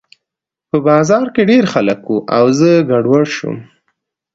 په بازار کې ډېر خلک وو او زه ګډوډ شوم